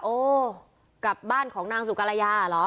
โอ้กลับบ้านของนางสุกรยาเหรอ